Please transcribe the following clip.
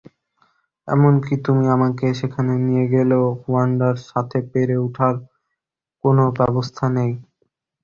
এমনকি তুমি আমাকে সেখানে নিয়ে গেলেও, ওয়ান্ডার সাথে পেরে উঠার কোনো ব্যবস্থা নেই।